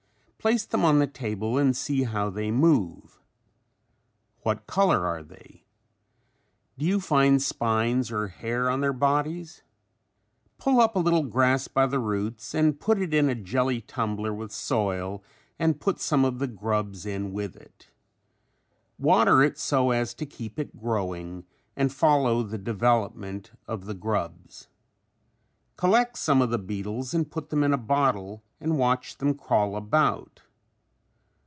Place them on the table and see how they move. What color are they? Do you find spines or hair on their bodies? Pull up a little grass by the roots and put it in a jelly tumbler with soil and put some of the grubs in with it. Water it so as to keep it growing and follow the development of the grubs. Collect some of the beetles and put them in a bottle and watch them crawl about.